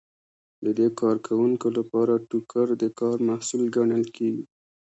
د دې کارکوونکو لپاره ټوکر د کار محصول ګڼل کیږي.